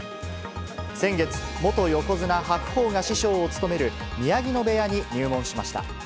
先月、元横綱・白鵬が師匠を務める宮城野部屋に入門しました。